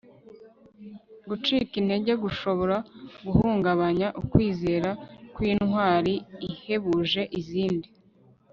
Gucika intege gushobora guhungabanya ukwizera kwintwari ihebuje izindi